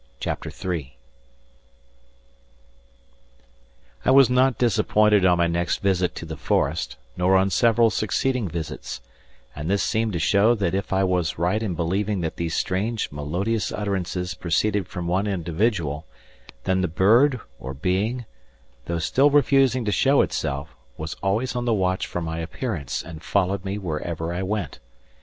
CHAPTER III I was not disappointed on my next visit to the forest, nor on several succeeding visits; and this seemed to show that if I was right in believing that these strange, melodious utterances proceeded from one individual, then the bird or being, although still refusing to show itself, was always on the watch for my appearance and followed me wherever I went.